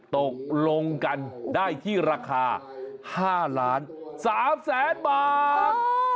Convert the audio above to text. ตกลงกันได้ที่ราคา๕ล้าน๓แสนบาท